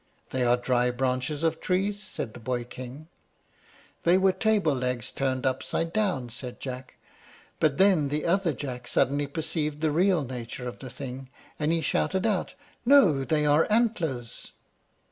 "They are dry branches of trees," said the boy king. "They are table legs turned upside down," said Jack: but then the other Jack suddenly perceived the real nature of the thing, and he shouted out, "No; they are antlers!"